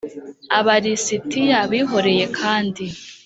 Aba lisitiya bihoreye kandi